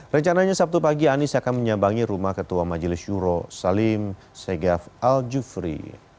rencananya sabtu pagi anies akan menyambangi rumah ketua majelis juro salim segaf al jufri